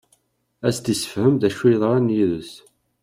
Ad as-d-isefhem d acu yeḍran d yid-s.